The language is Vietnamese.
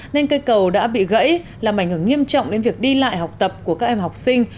nên cây cầu đã bị gãy làm ảnh hưởng nghiêm trọng đến việc đi lại học tập của các em học sinh